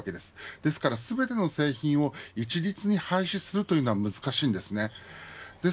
ですから全ての製品を一律に廃止するというのは難しいです。